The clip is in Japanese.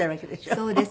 そうです。